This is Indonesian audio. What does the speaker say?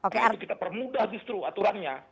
kita permudah justru aturannya